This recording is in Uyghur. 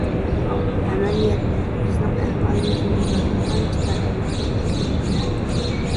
ئەمەلىيەتتە، بىزنىڭ ئەھۋالىمىزمۇ ئۇلاردىن ئانچە پەرقلىنىپ كەتمەيدۇ.